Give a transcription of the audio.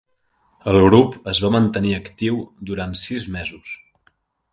El grup es va mantenir actiu durant sis mesos.